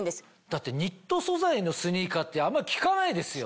だってニット素材のスニーカーってあんま聞かないですよね。